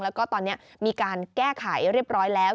แล้วก็ตอนนี้มีการแก้ไขเรียบร้อยแล้ว